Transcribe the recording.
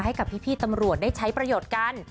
ให้กับพี่ตำรวจได้ใช้ประโยชน์กัน